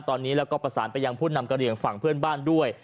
ตอนนี้แล้วก็ประสานไปยังผู้นำกระเหลี่ยงฝั่งเพื่อนบ้านด้วย